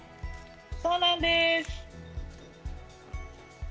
そうなんです。